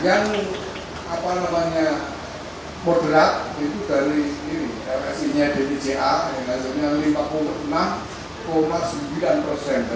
yang moderat itu dari fsi nya dbca yang hasilnya lima puluh enam sembilan persen